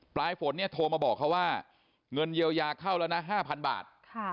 ปลายฝนเนี่ยโทรมาบอกเขาว่าเงินเยียวยาเข้าแล้วนะ๕๐๐บาท